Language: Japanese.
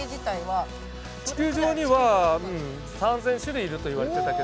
地球上には３，０００種類いるといわれてたけど。